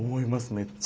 めっちゃ。